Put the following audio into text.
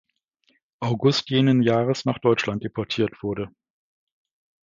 August jenes Jahres nach Deutschland deportiert wurde.